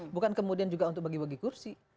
bukan kemudian juga untuk bagi bagi kursi